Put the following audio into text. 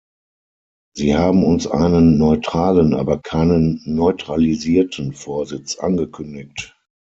Sie haben uns einen neutralen, aber keinen neutralisierten Vorsitz angekündigt.